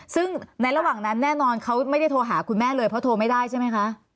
ซึ่งในระหว่างนั้นแน่นอนเขาไม่ได้โทรหาคุณแม่เลยเพราะโทรไม่ได้ใช่ไหมคะ